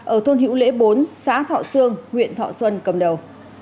ở thôn hữu lễ bốn xã thọ sương huyện thọ xuân cầm đầu